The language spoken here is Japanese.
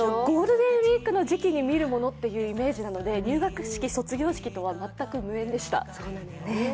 ゴールデンウイークの時期に見るものというイメージなので、入学式、卒業式とは全く無縁でした。